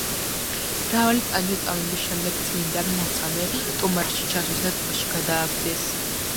მრავალი ტანჯვა-წამების შემდეგ წმინდა მოწამე ტომარაში ჩასვეს და ტბაში გადააგდეს.